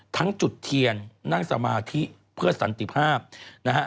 จุดเทียนนั่งสมาธิเพื่อสันติภาพนะฮะ